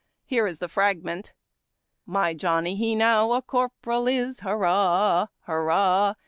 Here is the fragment :— My Johnny he now a Corporal is I Hurrah ! Hurrah